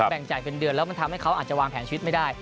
แบ่งจ่ายเป็นเดือนแล้วมันทำให้เขาอาจจะวางแผนชีวิตไม่ได้